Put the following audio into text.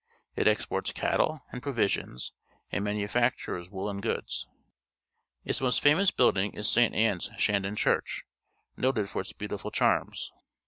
It exports cattle and provisions, and manufactures woollen goods. Its most famous buikUng is St. Anne's Shandon Church, noted for its beautiful chimes.